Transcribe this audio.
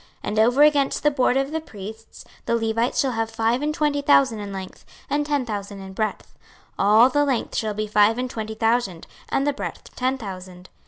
26:048:013 And over against the border of the priests the Levites shall have five and twenty thousand in length, and ten thousand in breadth: all the length shall be five and twenty thousand, and the breadth ten thousand.